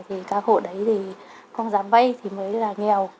thì các hộ đấy thì con dám vay thì mới là nghèo